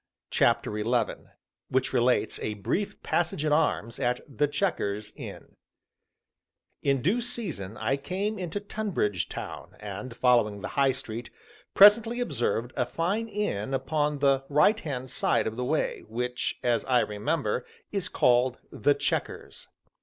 CHAPTER XI WHICH RELATES A BRIEF PASSAGE AT ARMS AT "THE CHEQUERS" INN In due season I came into Tonbridge town, and following the High Street, presently observed a fine inn upon the right hand side of the way, which, as I remember, is called "The Chequers."